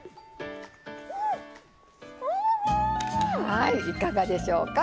はいいかがでしょうか。